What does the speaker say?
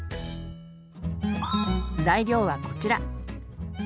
材料はこちら。